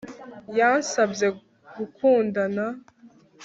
Yansabye gukundana